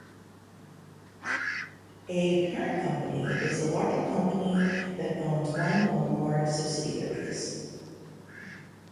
A "parent company" is the larger company that owns one or more subsidiaries.